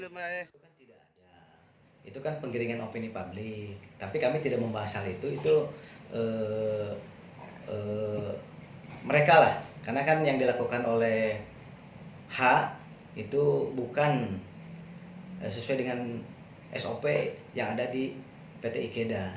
mereka lah karena kan yang dilakukan oleh h itu bukan sesuai dengan sop yang ada di pt ikaeda